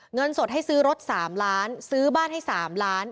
เงินสดให้ซื้อรถ๓ล้านซื้อบ้านให้๓ล้าน